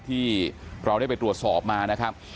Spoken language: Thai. ที่เราได้ไปตรวจสอบมานะครับ